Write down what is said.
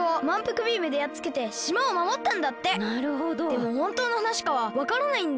でもほんとうのはなしかはわからないんだ。